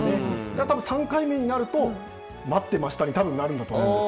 たぶん３回目になると待ってましたになるんだと思うんです。